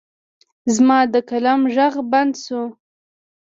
زما د قلم غږ بند شو.